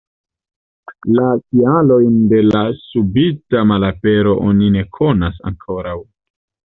La kialojn de la subita malapero oni ne konas ankoraŭ.